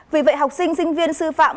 vì vậy học sinh sinh viên sư phạm